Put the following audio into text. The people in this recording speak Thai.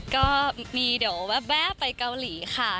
ก็มีเดี๋ยวแว๊บไปเกาหลีค่ะ